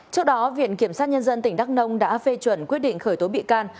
trước đó viện kiểm sát nhân dân tỉnh đắk nông đã phê chuẩn quyết định khởi tố bị can